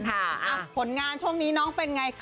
ผลงานช่วงนี้น้องเป็นไงคะ